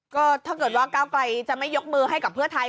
ก็ถ้าเกิดว่าก้าวไกลจะไม่ยกมือให้กับเพื่อไทย